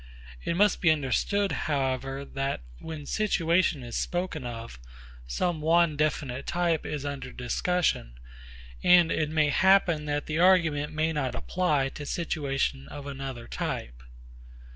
It must be understood however that, when situation is spoken of, some one definite type is under discussion, and it may happen that the argument may not apply to situation of another type.